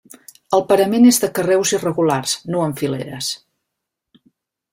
El parament és de carreus irregulars, no en fileres.